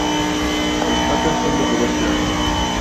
Las patas son de color claro.